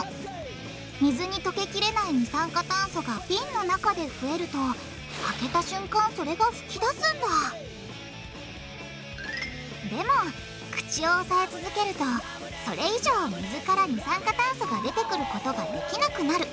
水に溶けきれない二酸化炭素が瓶の中で増えると開けた瞬間それが噴き出すんだでも口を押さえ続けるとそれ以上水から二酸化炭素が出てくることができなくなる。